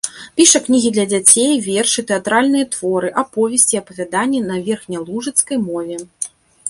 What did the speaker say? Піша кнігі для дзяцей, вершы, тэатральныя творы, аповесці і апавяданні на верхнялужыцкай мове.